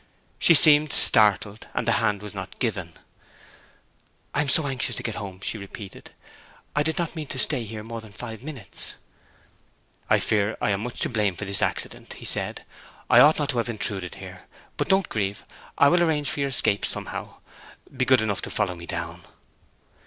She seemed startled, and the hand was not given. 'I am so anxious to get home,' she repeated. 'I did not mean to stay here more than five minutes!' 'I fear I am much to blame for this accident,' he said. 'I ought not to have intruded here. But don't grieve! I will arrange for your escape, somehow. Be good enough to follow me down.'